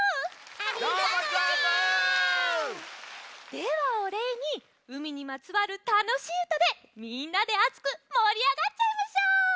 ではおれいにうみにまつわるたのしいうたでみんなであつくもりあがっちゃいましょう！